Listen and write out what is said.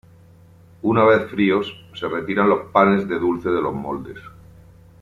Una vez fríos, se retiran los panes de dulce de los moldes.